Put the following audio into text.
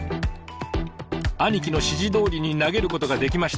兄貴の指示どおりに投げることができました。